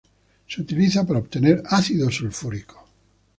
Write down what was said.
Se utiliza para obtener ácido sulfúrico.